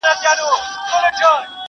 نور مي په حالاتو باور نه راځي بوډی سومه؛